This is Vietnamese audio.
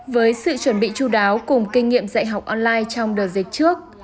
với sự chuẩn bị chú đáo cùng kinh nghiệm dạy học online trong đợt dịch trước